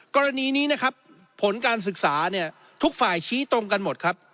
กรณีนี้นะครับผลการศึกษาเนี่ยทุกฝ่ายชี้ตรงกันหมดครับ